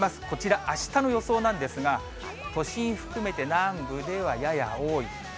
こちらあしたの予想なんですが、都心含めて南部ではやや多い。